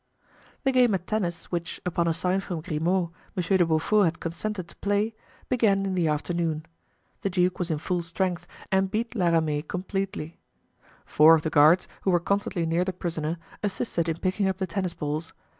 The game at tennis, which, upon a sign from Grimaud, Monsieur de Beaufort had consented to play, began in the afternoon. The duke was in full strength and beat La Ramee completely. Four of the guards, who were constantly near the prisoner, assisted in picking up the tennis balls.